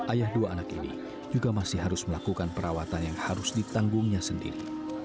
ayah dua anak ini juga masih harus melakukan perawatan yang harus ditanggungnya sendiri